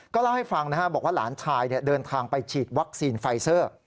เล่าให้ฟังบอกว่าหลานชายเดินทางไปฉีดวัคซีนไฟเซอร์